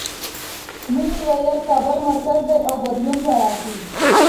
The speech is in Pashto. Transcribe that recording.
مینې ویل چې کابل مرکز دی او بدلون به راشي